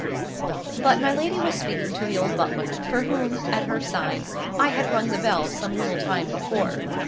But my lady was speaking to the old butler, for whom, at her sign, I had rung the bell some little time before.